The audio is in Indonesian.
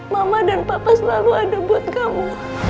mama dan papa selalu ada buat kamu